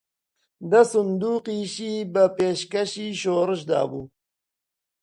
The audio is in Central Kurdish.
دە سندووقیشی بە پێشکەشی شۆڕش دابوو